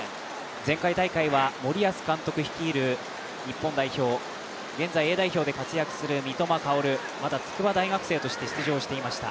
前回大会は森保監督率いる日本代表、現在Ａ代表で活躍する三笘薫、まだ筑波大学生として活躍をしておりました。